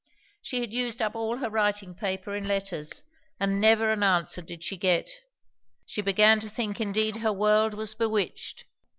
She had used up all her writing paper in letters; and never an answer did she get. She began to think indeed her world was bewitched.